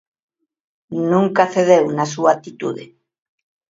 Nunca cedeu na súa actitude.